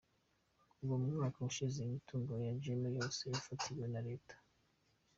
Kuva mu mwaka ushize, imitungo ya Jammeh yose yafatiriwe na leta.